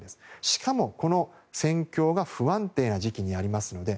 しかも、この戦況が不安定な時機にありますので